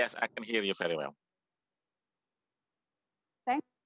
terima kasih edy untuk pertanyaan